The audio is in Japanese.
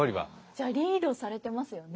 じゃあリードされてますよね。